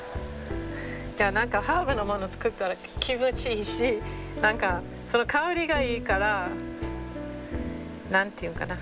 いや何かハーブの物作ったら気持ちいいし何か香りがいいから何て言うのかな。